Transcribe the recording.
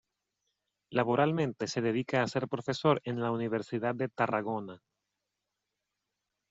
Laboralmente se dedica a ser profesor en la Universidad de Tarragona.